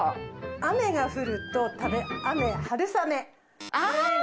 雨が降ると、雨、春雨。